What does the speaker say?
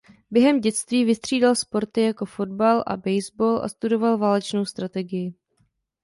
Během dětství vystřídal sporty jako fotbal a baseball a studoval válečnou strategii.